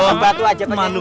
buku batu aja penyanyi